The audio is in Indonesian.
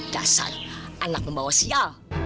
dasar anak membawa sia